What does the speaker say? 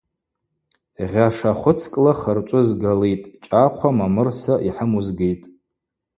Гъьаша хвыцкӏла хырчӏвы згалитӏ, чӏахъва, мамырса – йхӏыму згитӏ.